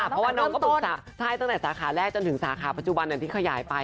เพราะว่าตั้งแต่สาขาแรกไปจนถึงสาขาปัจจุบันที่ขยายไป